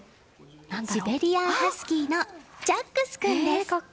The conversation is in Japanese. シベリアンハスキーのジャックス君です。